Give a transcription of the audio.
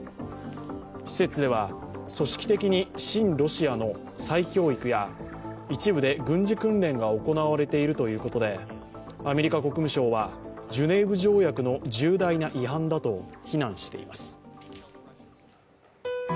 施設では組織的に親ロシアの再教育や一部で軍事訓練が行われているということで、アメリカ国務省はジュネーブ条約の重大な違反だとあっ！！